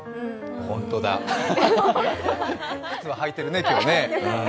ほんとだ、靴は履いてるね、今日ね。